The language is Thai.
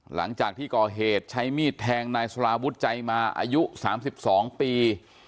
หลังจากที่ก่อเหตุใช้มีดแทงนายสลาวุฒิใจมาอายุ๓๒ปี